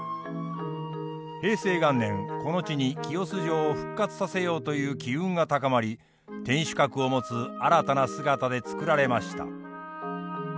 平成元年この地に清洲城を復活させようという機運が高まり天主閣を持つ新たな姿で造られました。